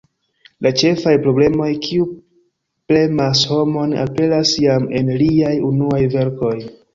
La ĉefaj problemoj kiuj premas homon aperas jam en liaj unuaj verkoj.